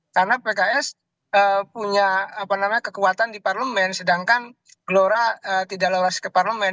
karena pks punya kekuatan di parlemen sedangkan gelora tidak lewas ke parlemen